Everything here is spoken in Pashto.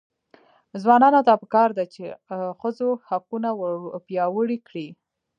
ځوانانو ته پکار ده چې، ښځو حقونه وپیاوړي کړي.